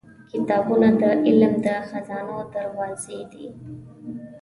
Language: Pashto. • کتابونه د علم د خزانو دروازې دي.